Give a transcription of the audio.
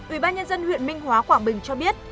ủy ban nhân dân huyện minh hóa quảng bình cho biết